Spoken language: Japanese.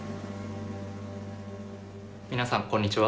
皆さんこんにちは。